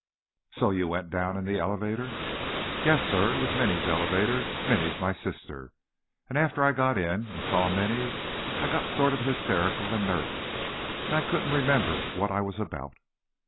"So you went down in the elevator?" "Yes, sir. It was Minny's elevator, Minny's my sister, and after I got in, and saw Minny, I got sort of hysterical and nervous, and I couldn't remember what I was about."